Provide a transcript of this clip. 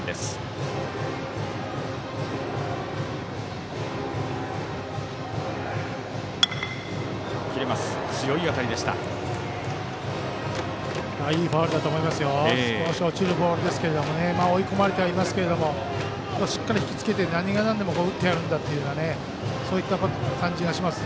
少し落ちるボールですけど追い込まれてはいますけどしっかり引き付けて何がなんでも打ってやるんだというそういった感じがします。